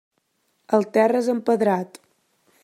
El terra és empedrat.